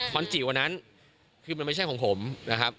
จิ๋วอันนั้นคือมันไม่ใช่ของผมนะครับ